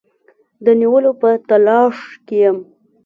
د نیولو په تلاښ کې یم.